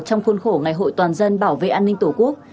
trong khuôn khổ ngày hội toàn dân bảo vệ an ninh tổ quốc